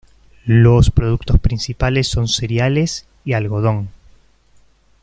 Los productos principales son cereales, y algodón.